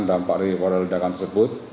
dampak rewara ledakan tersebut